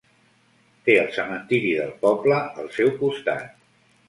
Té el cementiri del poble al seu costat.